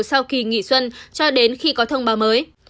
sau kỳ nghỉ xuân cho đến khi có thông báo mới